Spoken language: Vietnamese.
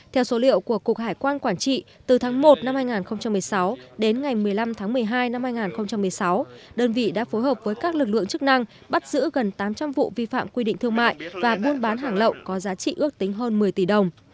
theo số liệu của cục hải quan quản trị từ tháng một năm hai nghìn một mươi sáu đến ngày một mươi năm tháng một mươi hai năm hai nghìn một mươi sáu đơn vị đã phối hợp với các lực lượng chức năng bắt giữ gần tám trăm linh vụ vi phạm quy định thương mại và buôn bán hàng lậu có giá trị ước tính hơn một mươi tỷ đồng